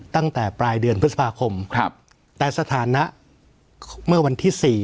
ตั้งแต่ปลายเดือนพฤษภาคมแต่สถานะเมื่อวันที่๔